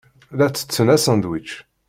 La ttetten asandwic.